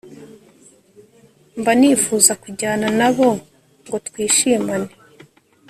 Mba nifuza kujyana na bo ngo twishimane